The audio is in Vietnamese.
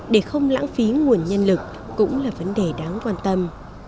để không lãng phí nguồn nhân lực cũng là vấn đề đáng quan tâm